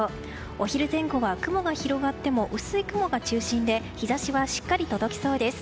お昼前後は雲が広がっても薄い雲が中心で日差しはしっかり届きそうです。